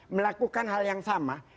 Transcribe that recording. melakukan hal yang sama